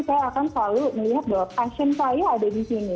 saya akan selalu melihat bahwa passion saya ada di sini